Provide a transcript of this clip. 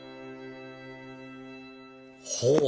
ほう！